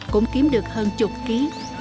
cũng kiếm được hơn chục ký